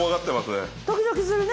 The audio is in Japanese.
ドキドキするね。